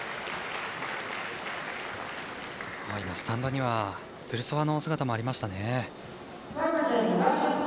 今、スタンドにはトゥルソワの姿もありました。